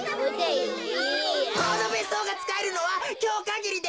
このべっそうがつかえるのはきょうかぎりです！